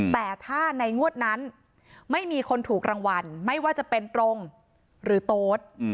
แต่ถ้าในงวดนั้นไม่มีคนถูกรางวัลไม่ว่าจะเป็นตรงหรือโต๊ด